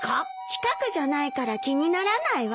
近くじゃないから気にならないわ。